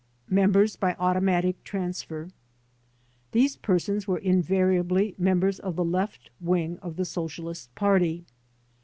Members by Automatic Transfer These persons were invariably members, of the Left Wing of the Socialist Party.